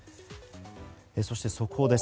そして速報です。